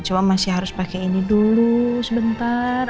cuma masih harus pakai ini dulu sebentar